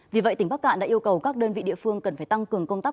vì vậy tỉnh bắc cạn đã yêu cầu các đơn vị địa phương cần phải tăng cường công tác